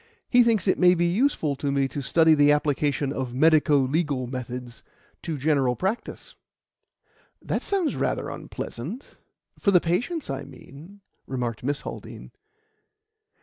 He thinks it may be useful to me to study the application of medico legal methods to general practice." "That sounds rather unpleasant for the patients, I mean," remarked Miss Haldean.